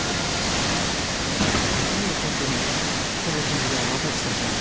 何を根拠にこの記事が私たちのリークだと？